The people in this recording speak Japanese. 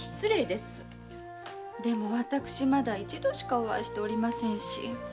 でも私まだ一度しかお会いしておりませんし。